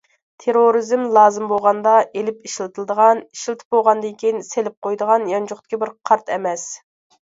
تېررورىزم لازىم بولغاندا ئېلىپ ئىشلىتىدىغان، ئىشلىتىپ بولغاندىن كېيىن سېلىپ قويىدىغان يانچۇقتىكى بىر قارت ئەمەس.